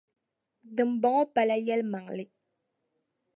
Dimbɔŋɔ pala yɛlimaŋli.